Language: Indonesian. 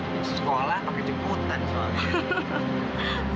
di sekolah pakai jemputan soalnya